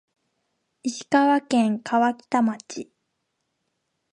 石川県川北町